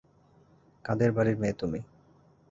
কাঁদে র বাড়ির মেয়ে তুমি?